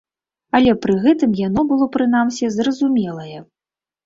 Але пры гэтым яно было прынамсі зразумелае.